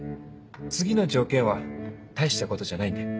次の条件は大したことじゃないんで。